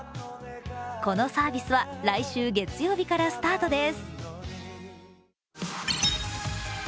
このサービスは来週月曜日からスタートです。